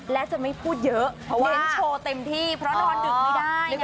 และจะไม่พูดเยอะเว้นโชว์เต็มที่เพราะนอนดึกไม่ได้